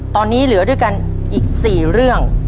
ตอนนี้เหลือด้วยกันอีก๔เรื่อง